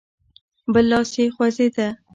بل لاس يې خوځېده.